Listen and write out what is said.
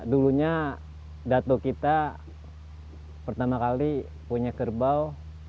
dulunya dato kita pertama kali punya kerbau